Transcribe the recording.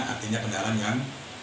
artinya kendaraan yang